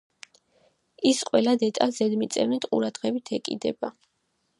ის ყველა დეტალს ზედმიწევნით ყურადღებით ეკიდება.